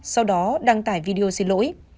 sau đó đăng tải video xin lỗi